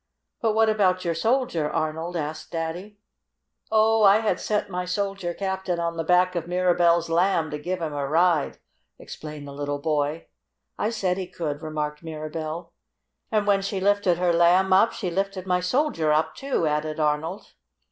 "But what about your Soldier, Arnold?" asked Daddy. "Oh, I had set my Soldier Captain on the back of Mirabell's Lamb to give him a ride," explained the little boy. "I said he could," remarked Mirabell. "And when she lifted her Lamb up she lifted my Soldier up, too," added Arnold.